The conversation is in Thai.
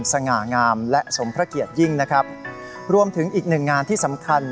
สง่างามและสมพระเกียรติยิ่งนะครับรวมถึงอีกหนึ่งงานที่สำคัญ